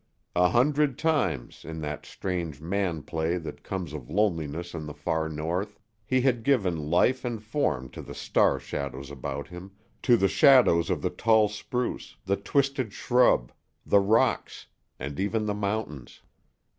A hundred times, in that strange man play that comes of loneliness in the far north, he had given life and form to the star shadows about him, to the shadows of the tall spruce, the twisted shrub, the rocks, and even the mountains.